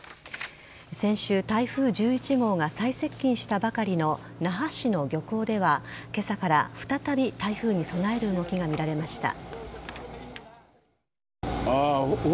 先週、台風１１号が最接近したばかりの那覇市の漁港では今朝から再び台風に備える動きが見られました。